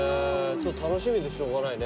楽しみでしょうがないね。